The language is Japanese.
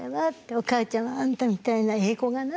「おかあちゃんはあんたみたいなええ子がな」。